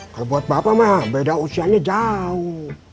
kalau buat bapak mah beda usianya jauh